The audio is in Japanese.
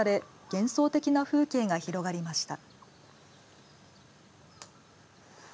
幻想的な風景が広がりました。